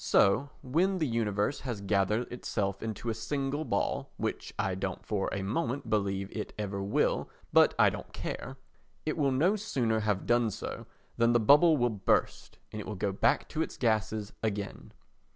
So when the universe has gathered itself into a single ball (which I don't for a moment believe it ever will, but I don't care) it will no sooner have done so, than the bubble will burst and it will go back to its gases again.